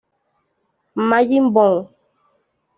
Majin Bone